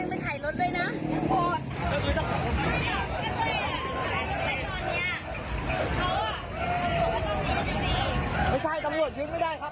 แต่เป็นรถในกล้อมคือแต่เขาให้ยืนยายเขาบอกว่าเดี๋ยวเอาตัวมาให้